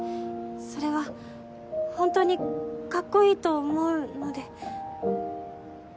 それは本当にカッコいいと思うので。